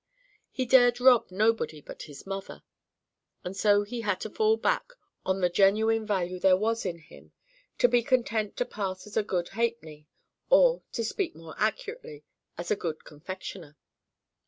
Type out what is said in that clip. He dared rob nobody but his mother. And so he had to fall back on the genuine value there was in him—to be content to pass as a good halfpenny, or, to speak more accurately, as a good confectioner.